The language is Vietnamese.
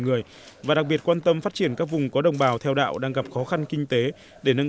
người và đặc biệt quan tâm phát triển các vùng có đồng bào theo đạo đang gặp khó khăn kinh tế để nâng